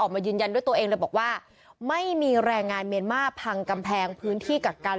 มายืนยันด้วยตัวเองเลยบอกว่าไม่มีแรงงานเมียนมาพังกำแพงพื้นที่กักกัน